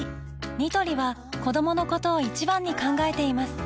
ニトリは子どものことを一番に考えています